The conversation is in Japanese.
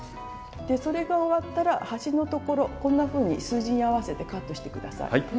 それが終わったら端のところこんなふうに数字に合わせてカットして下さい。